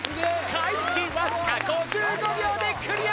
開始わずか５５秒でクリア